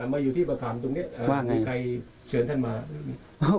มาอยู่ที่มะขามตรงนี้มีใครเชิญท่านมา